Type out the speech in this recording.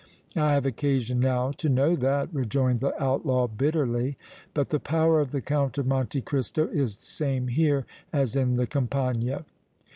"I have occasion now to know that," rejoined the outlaw, bitterly. "But the power of the Count of Monte Cristo is the same here as in the campagna!"